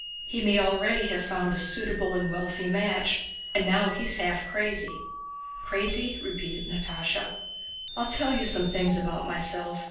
He may already have found a suitable and wealthy match, and now he's half crazy." "Crazy?" repeated Natásha. "I'll tell you some things about myself.